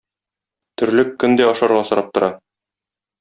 Терлек көн дә ашарга сорап тора.